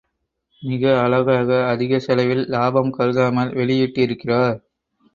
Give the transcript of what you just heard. மிக அழகாக அதிகச் செலவில் லாபம் கருதாமல் வெளியிட்டிருக்கிறார்.